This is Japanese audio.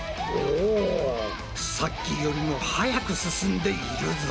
おさっきよりも速く進んでいるぞ。